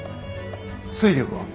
推力は？